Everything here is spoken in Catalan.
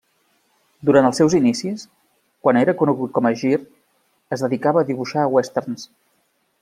Durant els seus inicis, quan era conegut com a Gir, es dedicava a dibuixar westerns.